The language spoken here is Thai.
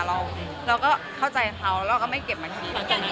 เราก็เข้าใจเขาเราก็ไม่เก็บมัน